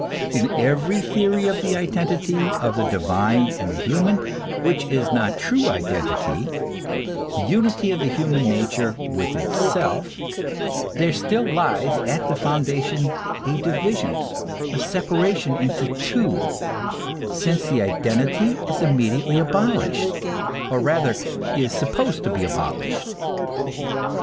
In every theory of the identity of the divine and human which is not true identity, unity of the human nature with itself, there still lies at the foundation a division, a separation into two, since the identity is immediately abolished, or rather is supposed to be abolished.